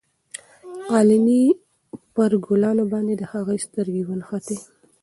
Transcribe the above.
د قالینې پر ګلانو باندې د هغې سترګې ونښتې.